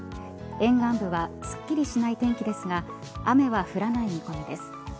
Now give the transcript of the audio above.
沿岸部はすっきりしない天気ですが雨は降らない見込みです。